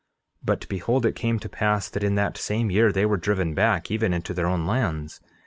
11:29 But behold, it came to pass that in that same year they were driven back even into their own lands.